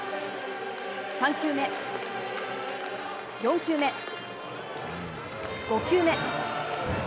３球目、４球目、５球目。